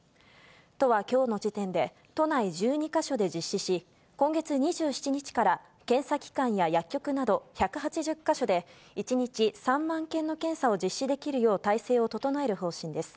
都はきょうの時点で、都内１２か所で実施し、今月２７日から検査機関や薬局など１８０か所で、１日３万件の検査を実施できるよう体制を整える方針です。